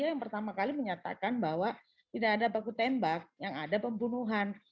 yang pertama kali menyatakan bahwa tidak ada baku tembak yang ada pembunuhan